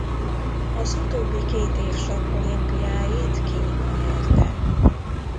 Az utóbbi két sakkolimpiát Kína nyerte.